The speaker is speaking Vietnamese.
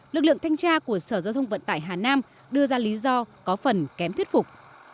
lực lượng thanh tra của sở giao thông vận tải hà nam đưa ra lý do có phần kém thuyết phục